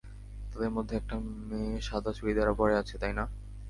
তাদের মধ্যে একটা মেয়ে সাদা চুড়িদার পরে আছে, তাই না?